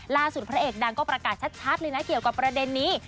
พระเอกดังก็ประกาศชัดเลยนะเกี่ยวกับประเด็นนี้